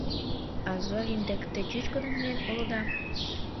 А Зорин дек те чӱчкыдын миен улыда?